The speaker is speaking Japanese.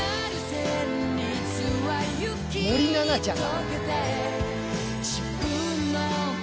森七菜ちゃん。